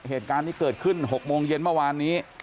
เหตุการณ์นี้เกิดขึ้น๖โมงเย็นเมื่อวานนี้